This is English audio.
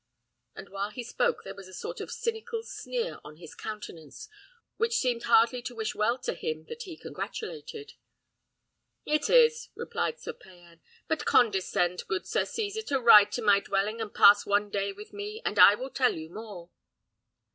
And while he spoke there was a sort of cynical sneer on his countenance, which seemed hardly to wish well to him that he congratulated. "It is," replied Sir Payan; "but condescend, good Sir Cesar, to ride to my dwelling and pass one day with me, and I will tell you more."